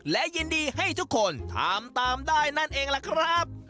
และยินดีให้ทุกคนทำตามได้นั่นเองล่ะครับ